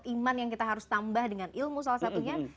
iman yang kita harus tambah dengan ilmu salah satunya